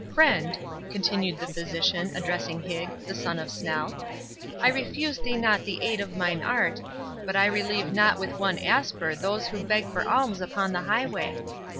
—Friend," continued the physician, addressing Higg, the son of Snell, "I refuse thee not the aid of mine art, but I relieve not with one asper those who beg for alms upon the highway.